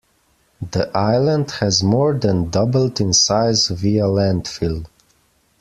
The island has more than doubled in size via landfill.